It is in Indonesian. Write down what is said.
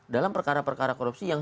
dalam perkara perkara korupsi yang